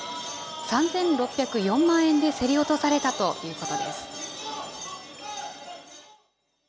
３６０４万円で競り落とされたということです。